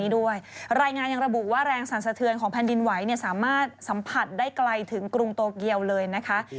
ด้วยรายงานยังระบุว่าแรงสรรสะเทือนของแผ่นดินไหวเนี่ยสามารถสัมผัสได้ไกลถึงกรุงโตเกียวเลยนะคะ